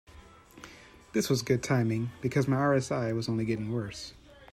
This was good timing, because my RSI was only getting worse.